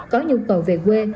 có nhu cầu về quê